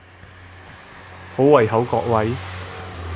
好胃口各位！